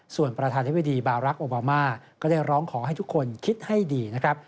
ส่วนประธานธิบดีบารักษ์โอบามาก็ได้ร้องขอให้ทุกคนคิดให้ดีนะครับ